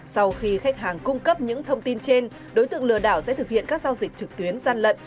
sau khi khách hàng cung cấp những thông tin trên đối tượng lừa đảo sẽ thực hiện các giao dịch trực tuyến gian lận